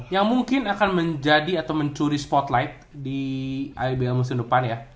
yang mungkin akan menjadi atau mencuri spotlight di ibl musim depan ya